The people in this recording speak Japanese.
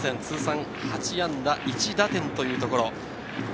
通算８安打、１打点というところ。